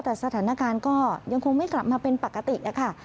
แต่สถานการณ์ก็ยังคงไม่กลับมาเป็นปกติค่ะ